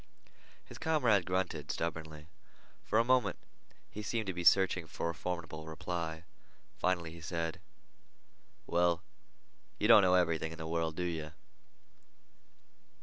His comrade grunted stubbornly. For a moment he seemed to be searching for a formidable reply. Finally he said: "Well, you don't know everything in the world, do you?"